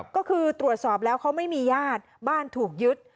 ก็คือตรวจสอบแล้วเขาไม่มีญาติบ้านถูกยึด